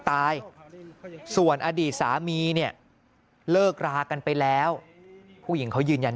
ตายส่วนอดีตสามีเนี่ยเลิกรากันไปแล้วผู้หญิงเขายืนยัน